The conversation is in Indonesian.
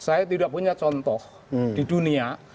saya tidak punya contoh di dunia